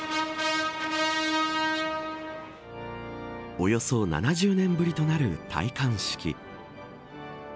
およそ７０年ぶりとなる戴冠式。